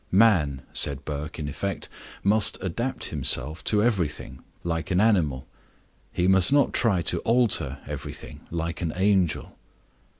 Man, said Burke in effect, must adapt himself to everything, like an animal; he must not try to alter everything, like an angel.